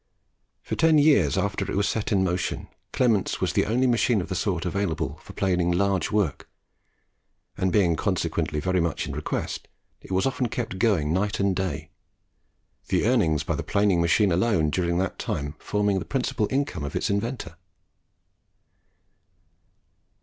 For ten years after it was set in motion, Clement's was the only machine of the sort available for planing large work; and being consequently very much in request, it was often kept going night and day, the earnings by the planing machine alone during that time forming the principal income of its inventor.